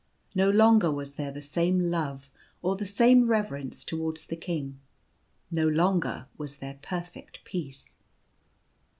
No longer was there the same love or the same reverence towards the king, — no longer was there perfect peace.